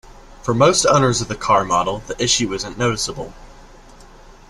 For most owners of the car model, the issue isn't noticeable.